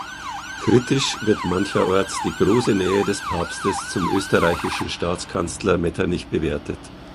Kritisch wird mancherorts die große Nähe des Papstes zum österreichischen Staatskanzler Metternich bewertet.